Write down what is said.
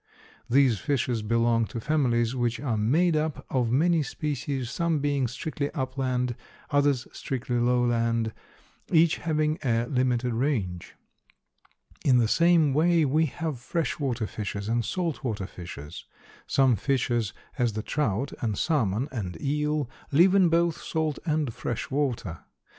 These fishes belong to families which are made up of many species, some being strictly upland, others strictly lowland, each having a limited range. In the same way we have fresh water fishes and salt water fishes; some fishes, as the trout and salmon and eel, live in both salt and fresh water.